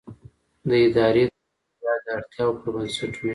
د ادارې تشکیل باید د اړتیاوو پر بنسټ وي.